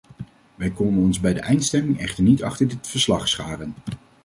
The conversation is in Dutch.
Wij konden ons bij de eindstemming echter niet achter dit verslag scharen.